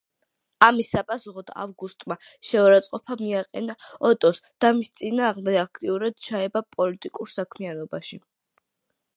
ამის საპასუხოდ ავგუსტამ შეურაცხყოფა მიაყენა ოტოს და მის წინააღმდეგ აქტიურად ჩაება პოლიტიკურ საქმიანობაში.